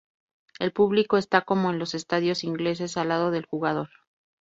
El público esta como en los estadios ingleses, a lado del jugador.